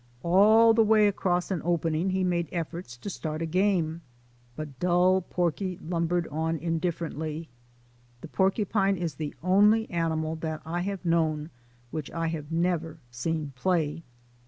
All the way across an opening he made efforts to start a game, but dull porky lumbered on indiffer ently. The porcupine is the only animal that I have known which I have never seen play.